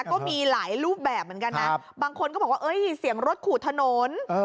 ก็มีหลายรูปแบบเหมือนกันนะบางคนก็บอกว่าเสียงรถขู่ถนน